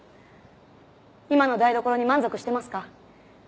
今の台所に満足してますか？